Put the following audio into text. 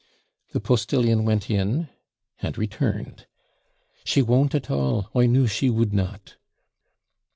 The postillion went in, and returned. 'She won't at all I knew she would not.'